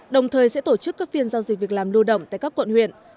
đồng thời sẽ tổ chức các phiên giao dịch việc làm lưu động tại các quận huyện